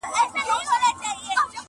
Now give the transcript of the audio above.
له سرحد څخه یې حال دی را لېږلی -